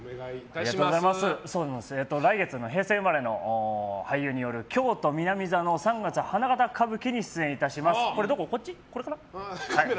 来月、平成生まれの俳優による京都南座の「三月花形歌舞伎」に出演いたします。